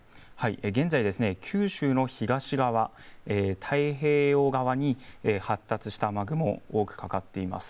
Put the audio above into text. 現在九州の東側太平洋側に発達した雨雲が多くかかっています。